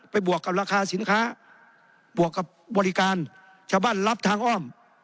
บวกกับราคาสินค้าบวกกับบริการชาวบ้านรับทางอ้อม